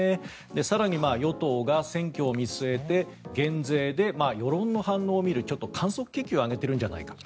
更に、与党が選挙を見据えて減税で世論の反応を見るちょっと観測気球を上げているんじゃないか。